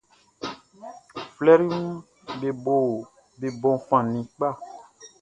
Flɛriʼm be bon fan ni kpa.